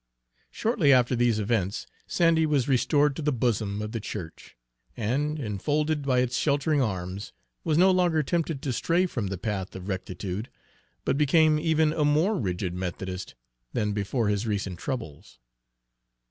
Shortly after these events Sandy was restored to the bosom of the church, and, enfolded by its sheltering arms, was no longer tempted to stray from the path of rectitude, but became even a more rigid Methodist than before his recent troubles.